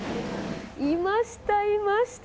いました、いました。